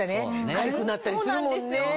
かゆくなったりするもんね。